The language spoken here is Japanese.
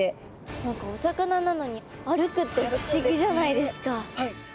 何かお魚なのに歩くって不思議じゃないですか。